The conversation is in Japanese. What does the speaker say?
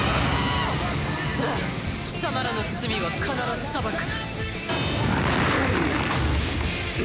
貴様らの罪は必ず裁く！